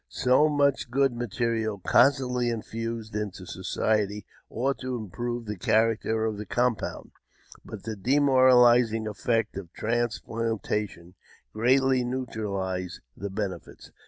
So much good material constantly infused into society ought to improve the character of the compound, but the demoralizing effects of transplantation greatly neutra lize the benefits.